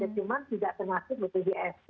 cuma tidak termasuk di pds